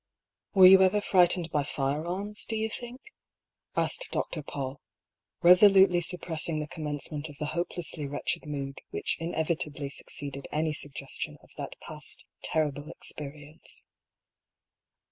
" Were you ever frightened by firearms, do you think?" asked Dr. Paull, resolutely suppressing the commencement of the hopelessly wretched mood which inevitably succeeded any suggestion of that past terrible experience.